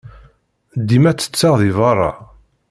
Dima ttetteɣ deg beṛṛa.